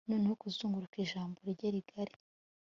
Noneho kuzunguruka ijambo rye rigari